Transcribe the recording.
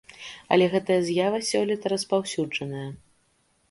Але гэтая з'ява сёлета распаўсюджаная.